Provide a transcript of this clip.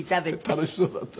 楽しそうだった。